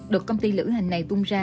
được công ty lữ hành này tung ra